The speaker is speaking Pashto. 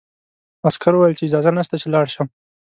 عسکر وویل چې اجازه نشته چې لاړ شم.